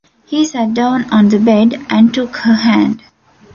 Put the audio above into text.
He sat down on the bed, and took her hand.